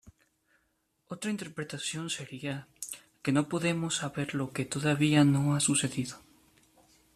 Otra interpretación sería: que no podemos saber lo que todavía no ha sucedido.